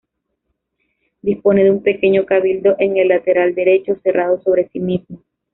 Dispone de un pequeño cabildo en el lateral derecho, cerrado sobre sí mismo.